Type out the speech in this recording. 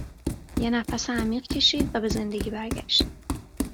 یه نفس عمیق کشید و به زندگی برگشت